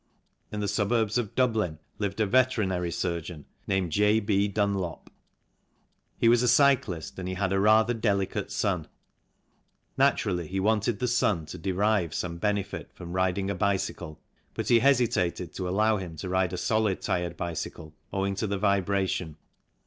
In the suburbs of Dublin lived a veterinary surgeon named J. B. Dunlop ; he was a cyclist and he had a rather delicate son. Naturally, he wanted the son to derive some benefit from riding a bicycle but he hesitated to allow him to ride a solid tyred bicycle owing to the vibration.